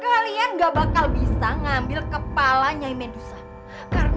kalian gak bakal bisa ngambil kepala nyai medusa